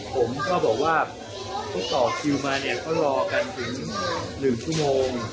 ผมก็บอกว่าพี่ตอบคิวมาก็รอกันถึง๑ชั่วโมง